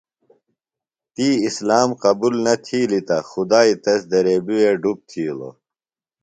تی اسلام قبُل نہ تِھیلیۡ تہ خُدائی تس دریبیۡ وے ڈُپ تِھیلوۡ۔